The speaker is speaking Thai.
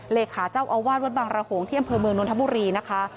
เลขาเจ้าอาวาสวัดบางระโหงที่อำเภอเมืองนนทบุรีนะคะ